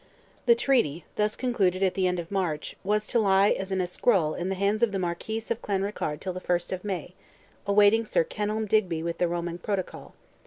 The treaty, thus concluded at the end of March, was to lie as an escroll in the hands of the Marquis of Clanrickarde till the 1st of May, awaiting Sir Kenelm Digby with the Roman protocol.